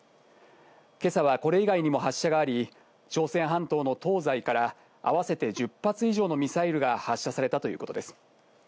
今朝は、これ以外にも発射があり、朝鮮半島の東西から合わせて１０発以上のミサイルが発射されたということです。